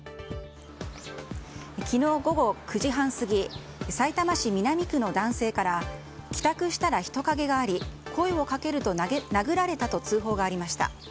昨日午後９時半過ぎさいたま市南区の男性から帰宅したら人影があり声をかけると殴られたと通報がありました。